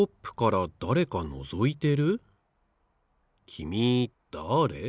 きみだあれ？